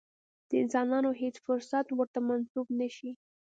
د انسانانو هېڅ صفت ورته منسوب نه شي.